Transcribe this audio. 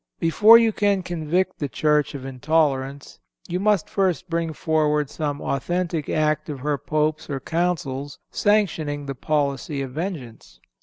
Before you can convict the Church of intolerance you must first bring forward some authentic act of her Popes or Councils sanctioning the policy of vengeance.